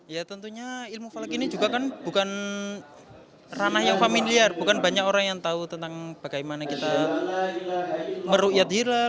ya tentunya ilmu falak ini juga kan bukan ranah yang familiar bukan banyak orang yang tahu tentang bagaimana kita meruqyat hilal